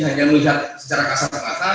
hanya melihat secara kasat mata